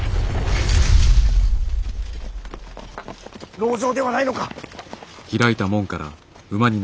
籠城ではないのか？